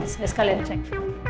saya sekali sekali cek